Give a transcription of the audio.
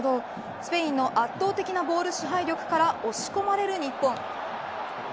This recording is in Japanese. スペインの圧倒的なボール支配力から押し込まれる日本。